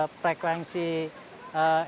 bagaimana penggunaan ekonomi di sungai ciliwung